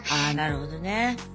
ああなるほどね。